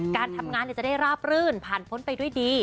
การทำงานจะได้ราบรื่นผ่านพ้นไปด้วยดี